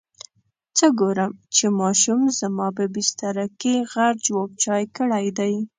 څه ګورم چې ماشوم زما په بستره کې غټ جواب چای کړی دی.